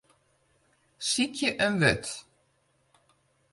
Sykje in wurd.